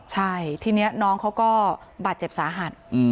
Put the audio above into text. ใช่ทีนี้น้องเขาก็บาดเจ็บสาหัส